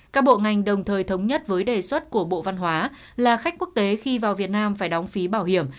các bộ ngành đồng thời thống nhất với đề xuất của bộ văn hóa là khách quốc tế khi vào việt nam phải đóng phí bảo hiểm